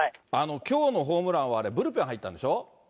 きょうのホームランは、あれ、ブルペン入ったんでしょ。